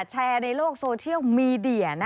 แชร์ในโลกโซเชียลมีเดีย